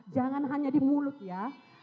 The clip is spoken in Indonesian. jangan hanya di mulut ya